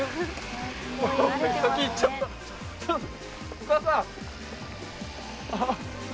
お母さん。